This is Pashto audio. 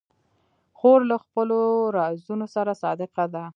خور له خپلو رازونو سره صادقه ده.